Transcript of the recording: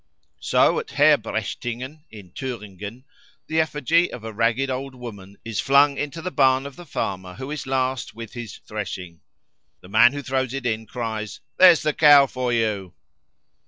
So at Herbrechtingen, in Thüringen, the effigy of a ragged old woman is flung into the barn of the farmer who is last with his threshing. The man who throws it in cries, "There is the Cow for you."